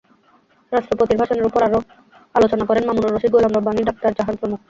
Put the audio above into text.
রাষ্ট্রপতির ভাষণের ওপর আরও আলোচনা করেন মামুনুর রশীদ, গোলাম রাব্বানী, আক্তার জাহান প্রমুখ।